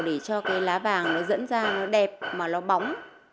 để cho cái lá vàng nó dẫn ra nó đẹp mà nó bóng